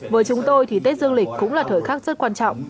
với chúng tôi thì tết dương lịch cũng là thời khắc rất quan trọng